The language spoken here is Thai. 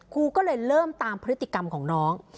ครูก็เลยเริ่มตามพฤติกรรมของน้อง